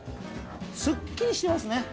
すっきりしてますね。